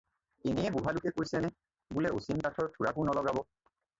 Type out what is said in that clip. এনেয়ে বুঢ়ালোকে কৈছে নে বোলে অচিন কাঠৰ থোৰাকো নলগাব।